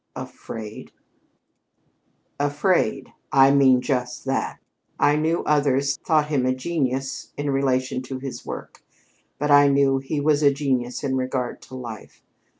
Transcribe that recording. "Afraid?" "Afraid I mean just that. I knew others thought him a genius in relation to his work. But I knew he was a genius in regard to life.